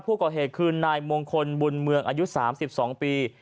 ผู้ก่อเหตุคือนายมงคลบุญเมืองอายุ๓๒ปี